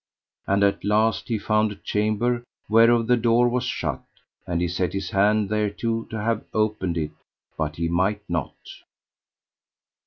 And at the last he found a chamber whereof the door was shut, and he set his hand thereto to have opened it, but he might not.